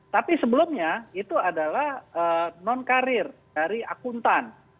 tapi sebelumnya itu adalah non karir dari akuntan